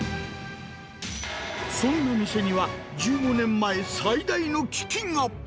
そんな店には、１５年前、最大の危機が。